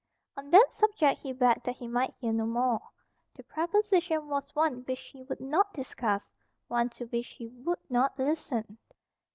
On that subject he begged that he might hear no more. The proposition was one which he would not discuss, one to which he would not listen.